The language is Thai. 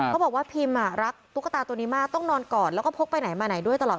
เค้าบอกว่าพิมรักตุ๊กตาตัวนี้มากต้องนอนก่อน